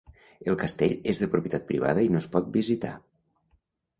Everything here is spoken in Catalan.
El castell és de propietat privada i no es pot visitar.